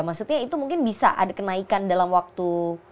maksudnya itu mungkin bisa ada kenaikan dalam waktu